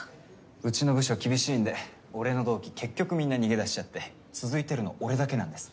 うちの部署厳しいんで俺の同期結局みんな逃げ出しちゃって続いてるの俺だけなんです。